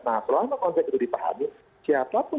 nah selama konsep itu dipahami siapa pun